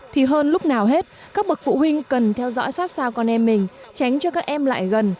thì hơn lúc nào hết các bậc phụ huynh cần theo dõi sát sao con em mình tránh cho các em lại gần